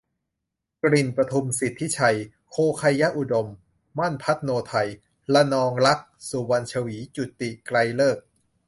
กลิ่นประทุม สิทธิชัย โภไคยอุดม มั่น พัธโนทัย ระนองรักษ์ สุวรรณฉวี จุติ ไกรฤกษ์